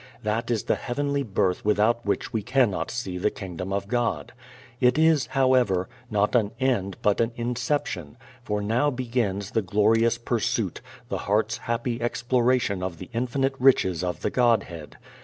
That is the heavenly birth without which we cannot see the Kingdom of God. It is, however, not an end but an inception, for now begins the glorious pursuit, the heart's happy exploration of the infinite riches of the Godhead.